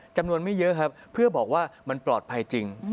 จำนวนไม่เยอะครับเพื่อบอกว่ามันปลอดภัยจริง